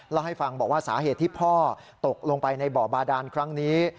แล้วให้ฟังบอกว่าสาเหตุที่พ่อตกลงไปในบ่อบาดานครั้งนี้